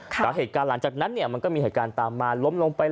แต่หลังจากนั้นมันมีอาการตามมาล้มลงไป